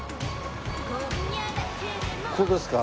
ここですか？